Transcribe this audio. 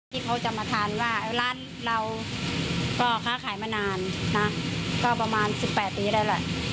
เขาจำอาทารณ์ว่าร้านเราก็ค่าขายมานานนะก็ประมาณ๑๘ปีได้แหละ